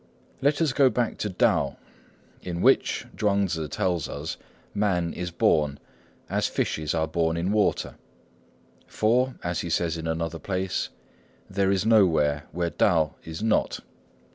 Let us go back to Tao, in which, Chuang Tzŭ tells us, man is born, as fishes are born in water; for, as he says in another place, there is nowhere where Tao is not.